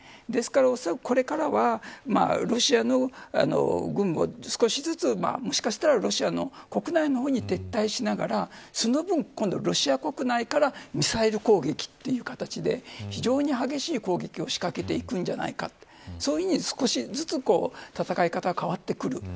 ですから、おそらくこれからはロシアの軍を少しずつもしかしたら、ロシアの国内の方に撤退しながらその分、今度はロシア国内からミサイル攻撃という形で非常に激しい攻撃を仕掛けていくんじゃないか。そういうふうに少しずつ戦い方が変わってくる。